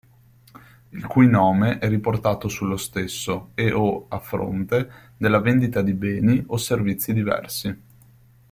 Il cui nome è riportato sullo stesso e/o a fronte della vendita di beni o servizi diversi.